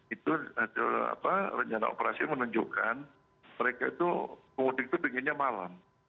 itu ada apa rencana operasi menunjukkan mereka itu mudik itu pinginnya malam